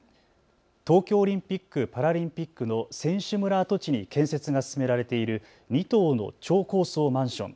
東京オリンピック・パラリンピックの選手村跡地に建設が進められている２棟の超高層マンション。